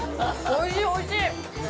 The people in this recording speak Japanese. おいしい、おいしい！